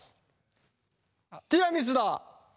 ティラミスだ！